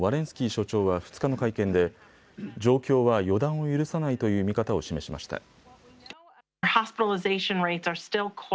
スキー所長は２日の会見で状況は予断を許さないという見方を示しました。